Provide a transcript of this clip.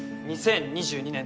２０２２年